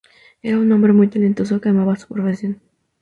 Era un hombre muy talentoso que amaba su profesión.